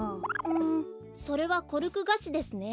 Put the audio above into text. んそれはコルクガシですね。